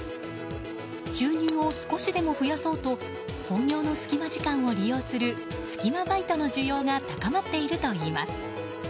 収入を少しでも増やそうと本業のスキマ時間を利用するスキマバイトの需要が高まっているといいます。